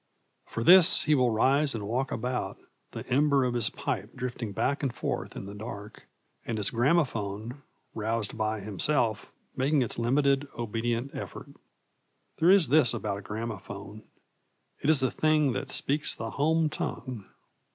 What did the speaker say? For this he will rise and walk about, the ember of his pipe drifting back and forth in the dark, and his gramophone, roused by himself, making its limited obedient effort. There is this about a gramophone: it is a thing that speaks the home tongue.